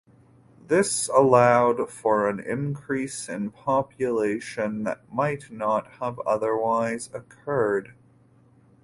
This allowed for an increase in population that might not have otherwise occurred.